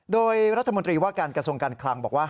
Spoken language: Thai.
โดยรัฐมนตรีว่าการกระทรวงการคลังบอกว่า